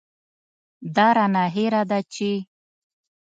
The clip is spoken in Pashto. دا رانه هېره ده چې.